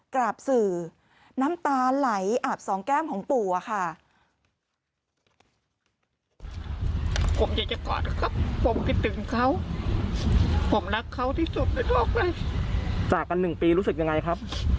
กราบสื่อน้ำตาไหลอาบสองแก้มของปู่อะค่ะ